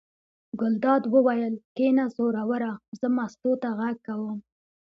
ګلداد وویل: کېنه زوروره زه مستو ته غږ کوم.